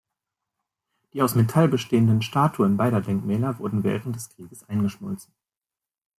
Die aus Metall bestehenden Statuen beider Denkmäler wurden während des Krieges eingeschmolzen.